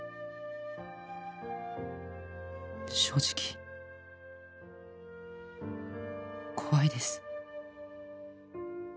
「正直」「怖いです」